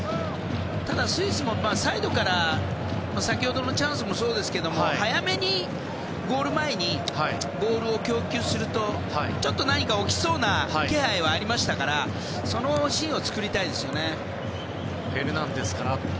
ただスイスも、サイドから先ほどのチャンスもそうですけど早めにゴール前にボールを供給するとちょっと何か起きそうな気配はありましたからそのシーンを作りたいですね。